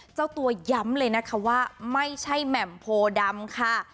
เจ้าตัวย้ำเลยนะคะว่าไม่ใช่แหม่มโพดำค่ะ